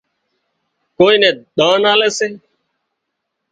ڪوئي نين ۮانَ آلي سي